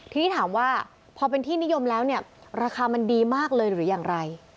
ทีนี้ถามว่าพอเป็นที่นิยมแล้วเนี่ยราคามันดีมากเลยหรืออย่างไร